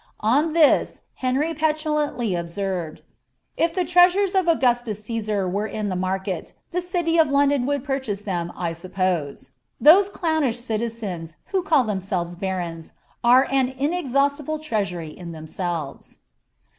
On this, Henry petulantly observed, *^ If the treasures of Augustus Cossar were in the market, the city of London would purchase Uiem, I suppose. Those clownish citizens, who call themselves barons, are an inexhaustible treasury in themselves.''